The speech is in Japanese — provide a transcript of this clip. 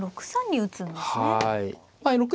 ６三に打つんですね。